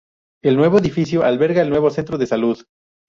El nuevo edificio alberga el nuevo Centro de Salud.